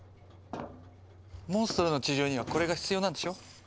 モンストロの治療にはこれが必要なんでしょ。